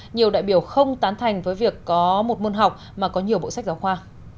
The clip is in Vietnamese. nhiều đại biểu không tán thành với việc có một môn học mà có nhiều bộ sách giáo khoa